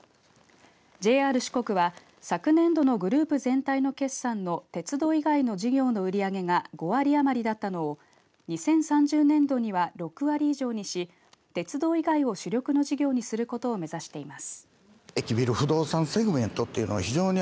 ＪＲ四国は昨年度のグループ全体の決算の鉄道以外の事業の売り上げが５割余りだったのを２０３０年度には６割以上にし鉄道以外を主力の事業にすることを目指しています。